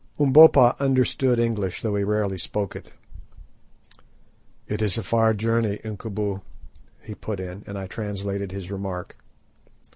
Umbopa understood English, though he rarely spoke it. "It is a far journey, Incubu," he put in, and I translated his remark.